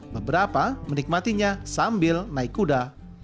beberapa menikmatinya sambil naik kuda